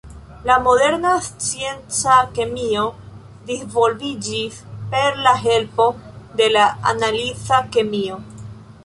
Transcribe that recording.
La moderna scienca kemio disvolviĝis per la helpo de la analiza kemio.